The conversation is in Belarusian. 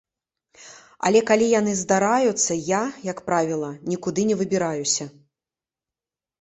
Але калі яны здараюцца, я, як правіла, нікуды не выбіраюся.